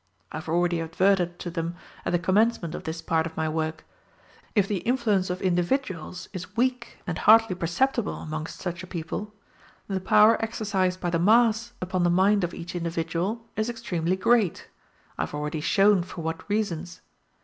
I have already adverted to them at the commencement of this part of my work. If the influence of individuals is weak and hardly perceptible amongst such a people, the power exercised by the mass upon the mind of each individual is extremely great I have already shown for what reasons.